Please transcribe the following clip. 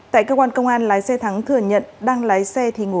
tại cơ quan công an lái xe thắng thừa nhận đang lái xe thì ngủ